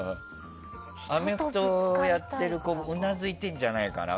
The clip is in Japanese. アメフトやってる子うなずいてるんじゃないかな。